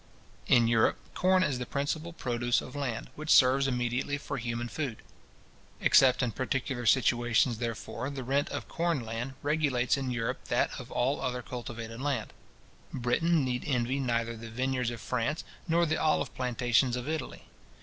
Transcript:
In Europe, corn is the principal produce of land, which serves immediately for human food. Except in particular situations, therefore, the rent of corn land regulates in Europe that of all other cultivated land. Britain need envy neither the vineyards of France, nor the olive plantations of Italy.